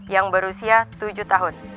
yang berusia tujuh tahun